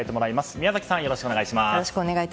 宮崎さん、よろしくお願いします。